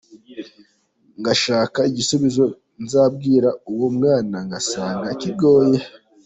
Ngashaka igisubizo nzabwira uwo mwana ngasanga kigoye.